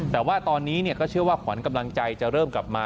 แต่ว่าตอนนี้ก็เชื่อว่าขวัญกำลังใจจะเริ่มกลับมา